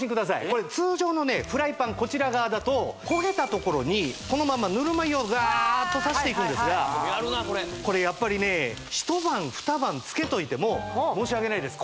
これ通常のフライパンこちら側だと焦げたところにこのまんまぬるま湯をザーッとさしていくんですがこれやっぱりね一晩二晩漬けといても申し訳ないです